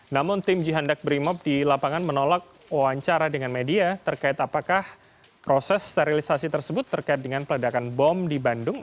namun tim jihandak brimob di lapangan menolak wawancara dengan media terkait apakah proses sterilisasi tersebut terkait dengan peledakan bom di bandung